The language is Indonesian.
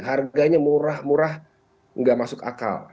harganya murah murah nggak masuk akal